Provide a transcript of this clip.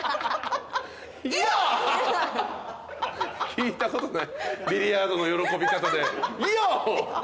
聞いたことないビリヤードの喜び方でイヤア！